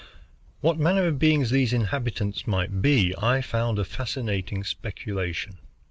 What manner of beings these inhabitants might be I found a fascinating speculation.